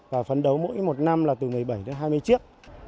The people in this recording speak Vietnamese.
và phấn đấu mỗi một năm là từ một mươi bảy đến hai mươi chiếc